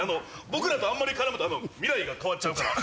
僕らとあんまり絡むと未来が変わっちゃうから。